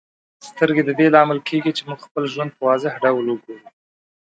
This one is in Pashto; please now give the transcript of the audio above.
سترګې د دې لامل کیږي چې موږ خپل ژوند په واضح ډول وګورو.